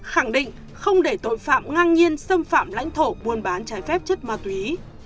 khẳng định không để tội phạm ngang nhiên xâm phạm lãnh thổ buôn bán trái phép chất ma túy